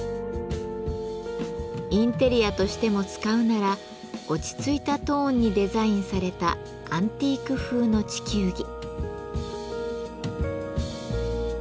インテリアとしても使うなら落ち着いたトーンにデザインされたアンティーク風の地球儀。